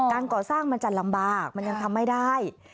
ก่อสร้างมันจะลำบากมันยังทำไม่ได้